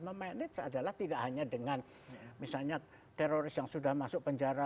memanage adalah tidak hanya dengan misalnya teroris yang sudah masuk penjara